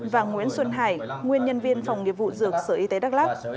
và nguyễn xuân hải nguyên nhân viên phòng nghiệp vụ dược sở y tế đắk lắc